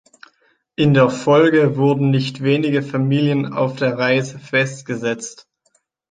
In der Folge wurden nicht wenige Familien auf der Reise festgesetzt.